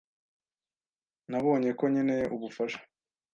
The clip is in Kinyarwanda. Nabonye ko nkeneye ubufasha.